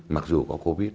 mặc dù có covid